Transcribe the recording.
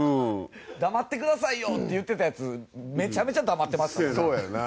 黙ってくださいよ！って言ってたやつめちゃめちゃ黙ってましたね。